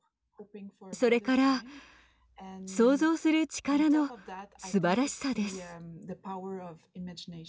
それから想像する力のすばらしさです。